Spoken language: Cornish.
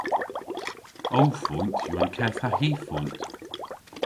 Ow foynt yw an keth ha hy foynt.